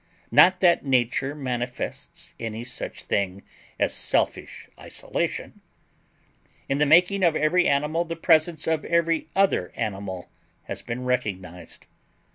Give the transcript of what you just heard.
Not that Nature manifests any such thing as selfish isolation. In the making of every animal the presence of every other animal has been recognized.